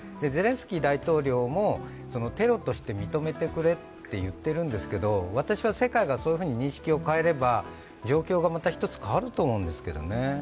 ゼレンスキー大統領もテロとして認めてくれって言ってるんですけど私は世界がそういうふうに認識を変えれば、状況が一つ変わると思うんですけどね。